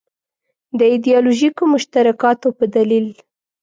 د ایدیالوژیکو مشترکاتو په دلیل.